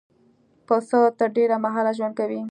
پسه تر ډېره مهاله ژوند کوي.